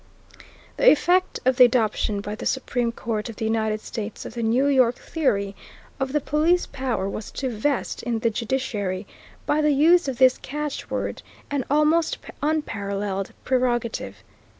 The effect of the adoption by the Supreme Court of the United States of the New York theory of the Police Power was to vest in the judiciary, by the use of this catch word, an almost unparalleled prerogative.